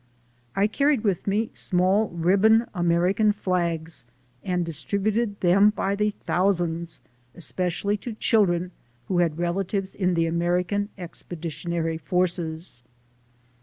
I carried with me small ribbon American flags, and distributed them by the thousands, espe cially to children who had relatives in the American Expeditionary Forces.